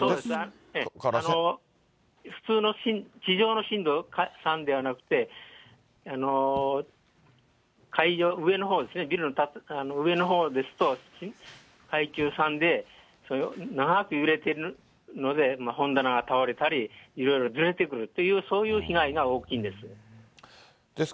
普通の地上の震度３ではなくて、上のほうですね、ビルの上のほうですと階級３で、長く揺れてるので本棚が倒れたり、いろいろずれてくるという、そういう被害が大きいんです。